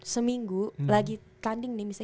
seminggu lagi tanding nih misalnya